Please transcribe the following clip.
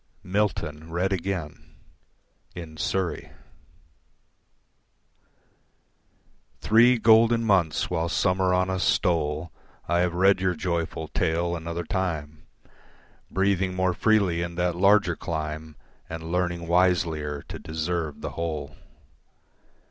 Milton Read Again (In Surrey) Three golden months while summer on us stole I have read your joyful tale another time, Breathing more freely in that larger clime And learning wiselier to deserve the whole.